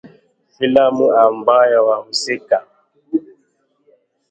Filamu ambayo wahusika